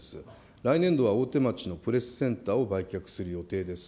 来年度は大手町のプレスセンターを売却する予定です。